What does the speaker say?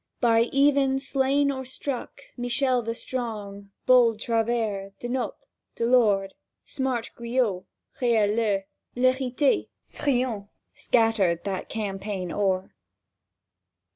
By even, slain or struck, Michel the strong, Bold Travers, Dnop, Delord, Smart Guyot, Reil le, l'Heriter, Friant, Scattered that champaign o'er.